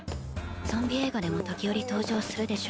ゾンビ映画でも時折登場するでしょ。